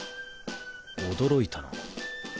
驚いたな。